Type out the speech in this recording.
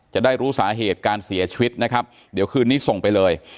จะได้รู้สาเหตุการเสียชีวิตนะครับเดี๋ยวคืนนี้ส่งไปเลย